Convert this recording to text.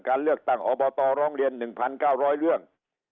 การเลือกตั้งอบตร้องเรียน๑๙๐๐เรื่อง